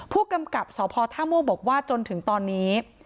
ผู้กำกับสพท่าม่วงบอกว่าจนถึงตอนนี้